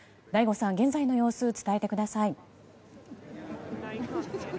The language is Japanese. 醍醐さん、現在の様子を伝えてください。